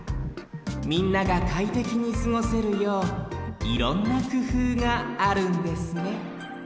みんながかいてきにすごせるよういろんなくふうがあるんですね